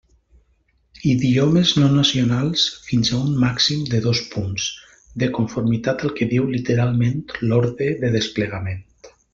Idiomes no nacionals, fins a un màxim de dos punts, de conformitat al que diu, literalment, l'orde de desplegament.